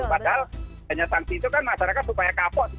padahal hanya sanksi itu kan masyarakat supaya kapok